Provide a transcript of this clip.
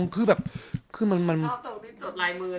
คือแบบคือมันมีท้องจดลายมือด้วย